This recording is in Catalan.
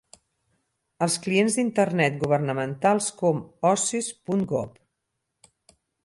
Els clients d'Internet governamentals com "osis punt gov".